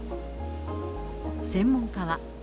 専門家は。